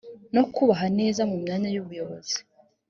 no kubaheza mu myanya y ubuyobozi